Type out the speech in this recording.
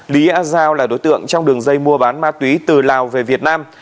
lý a giao là đối tượng trong đường dây mua bán ma túy từ lào về việt nam